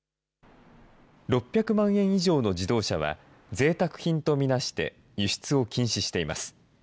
６００万円以上の自動車は、ぜいたく品と見なして輸出を禁止しています。